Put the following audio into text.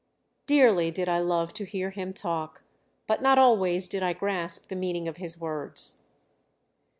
Dearly did I love to hear him talk, but not always did I grasp the meaning of his words."